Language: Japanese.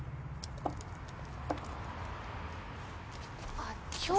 あっ今日。